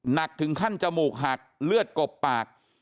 หนักถึงขั้นจมูกหักเลือดกบปาก